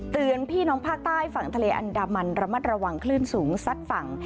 พี่น้องภาคใต้ฝั่งทะเลอันดามันระมัดระวังคลื่นสูงซัดฝั่ง